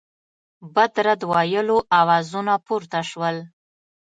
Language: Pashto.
بد رد ویلو آوازونه پورته سول.